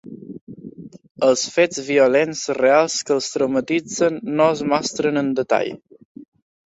Els fets violents reals que els traumatitzen no es mostren en detall.